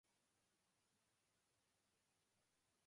You go to your friends.